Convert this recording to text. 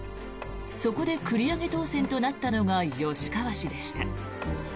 そこで繰り上げ当選となったのが吉川氏でした。